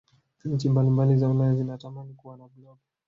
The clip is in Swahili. nchi mbalimbali za ulaya zinatamani Kuwa na blob